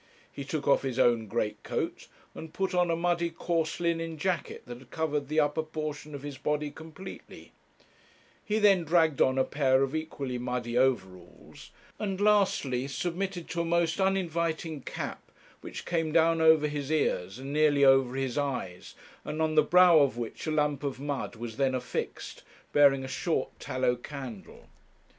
He took off his own great coat, and put on a muddy course linen jacket that covered the upper portion of his body completely; he then dragged on a pair of equally muddy overalls; and lastly submitted to a most uninviting cap, which came down over his ears, and nearly over his eyes, and on the brow of which a lump of mud was then affixed, bearing a short tallow candle.